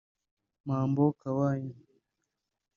Mambo Kawaya